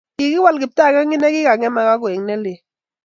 Kikiwal kiptanganyit nekikang'emak ak koek nelel